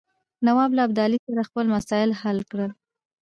نواب له ابدالي سره خپل مسایل حل کړي.